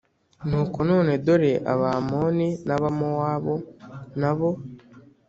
Nuko none dore Abamoni n Abamowabu n abo